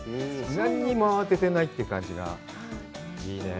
何にも慌ててないって感じがいいねぇ。